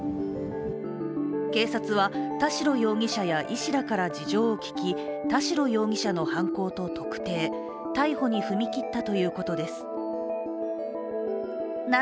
警察は、田代容疑者や医師らから事情を聴き田代容疑者の犯行と特定、逮捕に踏み切ったということです。